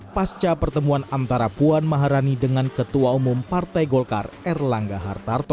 pasca pertemuan antara puan maharani dengan ketua umum partai golkar erlangga hartarto